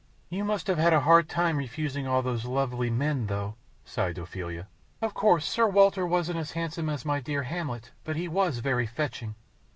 "You must have had a hard time refusing all those lovely men, though," sighed Ophelia. "Of course, Sir Walter wasn't as handsome as my dear Hamlet, but he was very fetching."